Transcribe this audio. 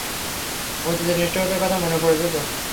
অতীতের নিষ্ঠুরতার কথা মনে পড়ে যেত।